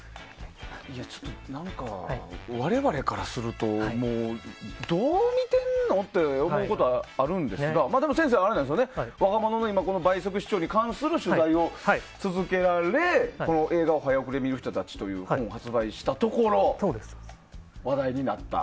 何か、我々からするとどう見てるの？って思うことはあるんですがでも先生は若者の倍速視聴に関する取材を続けられ「映画を早送りで観る人たち」という本を発売したところ話題になった。